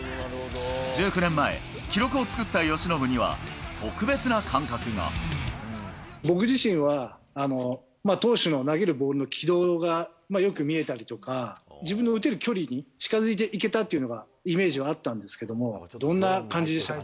１９年前、記録を作った由伸には、僕自身は、投手の投げるボールの軌道がよく見えたりとか、自分の打てる距離に近づいていけたっていうのが、イメージがあったんですけれども、どんな感じでしたか？